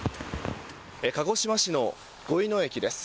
鹿児島市の五位野駅です。